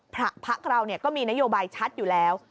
พระเราก็มีนโยบายชัดอยู่แล้ว